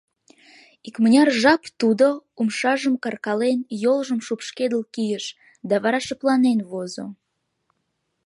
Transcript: Икмыняр жап тудо, умшажым каркален, йолжым шупшкедыл кийыш да вара шыпланен возо.